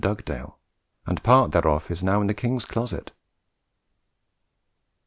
] Dugdale, and part thereof is now in the King's Closet."